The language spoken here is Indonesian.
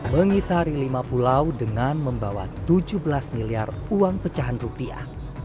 mengitari lima pulau dengan membawa tujuh belas miliar uang pecahan rupiah